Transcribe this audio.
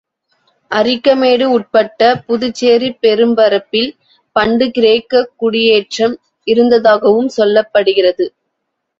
அரிக்கமேடு உட்பட்ட புதுச்சேரிப் பெரும்பரப்பில் பண்டு கிரேக்கக் குடியேற்றம் இருந்ததாகவும் சொல்லப்படுகிறது.